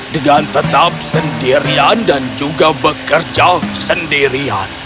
dengan tetap sendirian dan juga bekerja sendirian